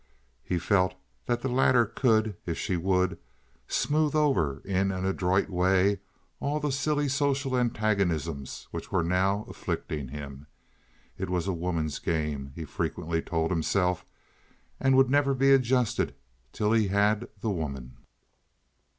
He felt that the latter could, if she would, smooth over in an adroit way all the silly social antagonisms which were now afflicting him. It was a woman's game, he frequently told himself, and would never be adjusted till he had the woman.